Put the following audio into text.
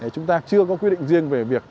chúng ta chưa có quyết định riêng về việc